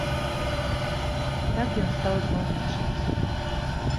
Так ён стаў зноў вучыцца.